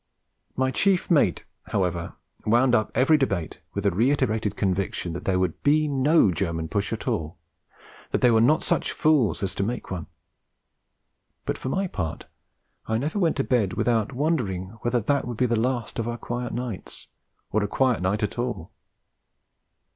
My chief mate, however, wound up every debate with the reiterated conviction that there would be no German push at all; they were 'not such fools' as to make one. But for my part I never went to bed without wondering whether that would be the last of our quiet nights, or a quiet night at all.